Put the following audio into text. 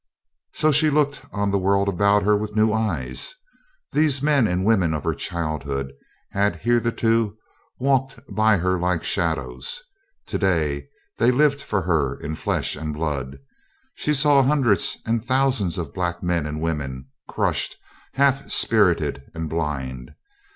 So she looked on the world about her with new eyes. These men and women of her childhood had hitherto walked by her like shadows; today they lived for her in flesh and blood. She saw hundreds and thousands of black men and women: crushed, half spirited, and blind.